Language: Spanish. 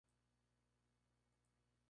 Era hijo de Joseph Parry y de Eliza Elliott.